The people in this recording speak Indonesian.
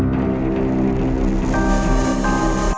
sampai jumpa lagi